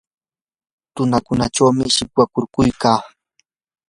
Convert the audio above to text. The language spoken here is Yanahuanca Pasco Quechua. tunaychawmi shinkakuykurqaa.